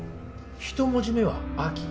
一文字目は「秋」